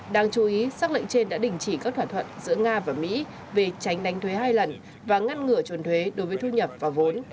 đáng chú ý xác lệnh trên đã đình chỉ các thỏa thuận giữa nga và mỹ về tránh đánh thuế hai lần và ngăn ngửa chuồn thuế đối với thu nhập và vốn